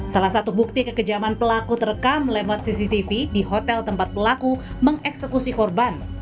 salah satu bukti kekejaman pelaku terekam lewat cctv di hotel tempat pelaku mengeksekusi korban